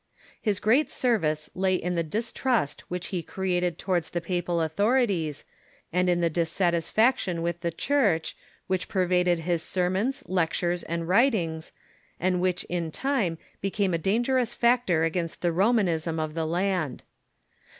His great service lay in the distrust which he created towards the papal authorities, and in the dissatisfaction with the Church which pervaded his sermons, lectures, and writ ings, and Avhich in time became a dangerous factor against the Romanism of the land.